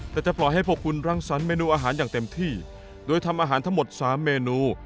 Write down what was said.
แต่จะปล่อยให้พวกคุณรังสรรคเมนูอาหารอย่างเต็มที่โดยทำอาหารทั้งหมด๓เมนู